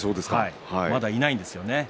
まだいないんですよ。